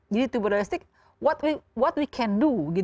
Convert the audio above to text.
jadi bersama realistik apa yang bisa kita lakukan